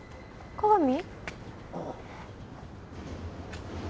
加賀美？